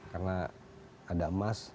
karena ada emas